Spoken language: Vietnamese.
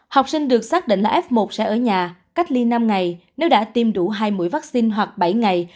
học sinh được xác định là f một sẽ ở nhà cách ly năm ngày nếu đã tiêm đủ hai mũi vaccine hoặc bảy ngày